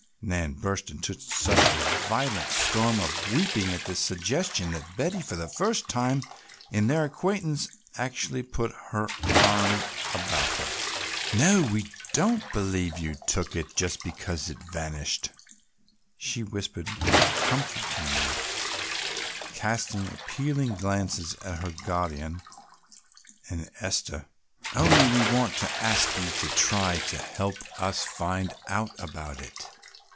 Nan burst into such a violent storm of weeping at this suggestion that Betty for the first time in their acquaintance actually put her arm about her. "No, we don't believe you took it just because it has vanished," she whispered comfortingly, casting appealing glances at her guardian and Esther, "only we want to ask you to try to help us find out about it.